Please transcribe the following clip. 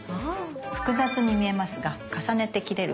複雑に見えますが重ねて切れる